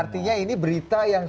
artinya ini berita yang